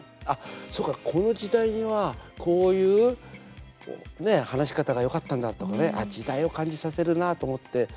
そうか、この時代にはこういう話し方がよかったんだとかね時代を感じさせるなと思って。